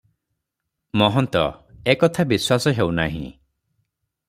ମହନ୍ତ- ଏ କଥା ବିଶ୍ୱାସ ହେଉନାହିଁ ।